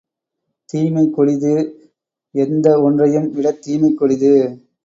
தீமை கொடிது, எந்த ஒன்றையும் விடத் தீமைக் கொடிது.